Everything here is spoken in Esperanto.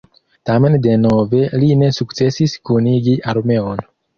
Tamen denove li ne sukcesis kunigi armeon.